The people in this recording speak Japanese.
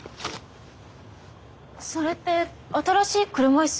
それって新しい車いす？